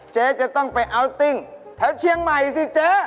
เจ๊จะต้องไปอัลติ้งแถวเชียงใหม่สิเจ๊